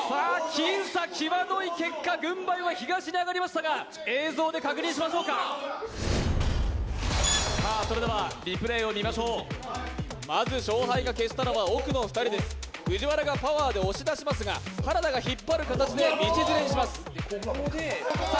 僅差きわどい結果軍配は東に上がりましたが映像で確認しましょうかそれではリプレイを見ましょうまず勝敗が決したのは奥の２人です藤原がパワーで押し出しますが原田が引っ張る形で道連れにしますさあ